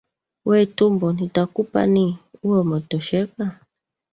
We tumbo nitakupani, uwe umetosheka?